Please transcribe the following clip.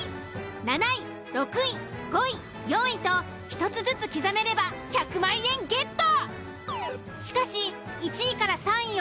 ７位６位５位４位と１つずつ刻めれば１００万円ゲット！